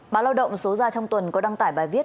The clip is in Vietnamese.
báo lao động số ra trong tuần có đăng tải bài viết